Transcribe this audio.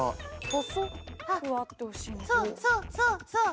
そうそうそうそう。